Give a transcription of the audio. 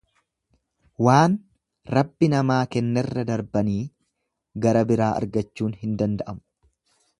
Waan Rabbi namaa kennerra darbanii gara biraa argachuun hin danda'amu.